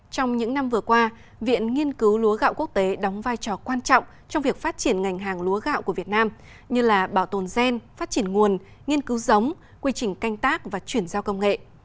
trong những năm vừa qua viện nghiên cứu lúa gạo quốc tế đóng vai trò quan trọng trong việc phát triển ngành hàng lúa gạo của việt nam như là bảo tồn gen phát triển nguồn nghiên cứu giống quy trình canh tác và chuyển giao công nghệ